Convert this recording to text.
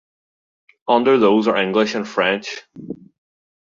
Under those are English and French.